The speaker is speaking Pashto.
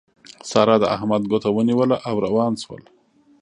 سارا د احمد ګوته ونيوله او روان شول.